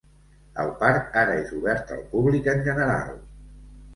El parc ara és obert al públic en general.